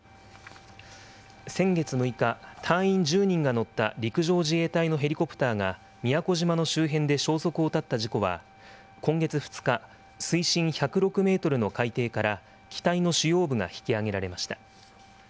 先月６日、隊員１０人が乗った陸上自衛隊のヘリコプターが宮古島の周辺で消息を絶った事故は今月２日、水深１０６メートルの海底から機体の主要部が引き揚げられました。